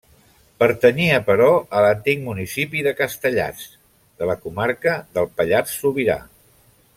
Pertanyia, però, a l'antic municipi de Castellàs, de la comarca del Pallars Sobirà.